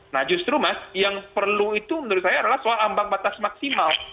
nah justru mas yang perlu itu menurut saya adalah soal ambang batas maksimal